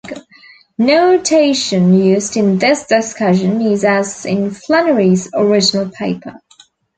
Notation used in this discussion is as in Flannery's original paper.